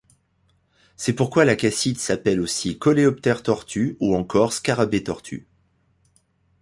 C'est pourquoi la casside s'appelle aussi coléoptère-tortue ou encore scarabée-tortue.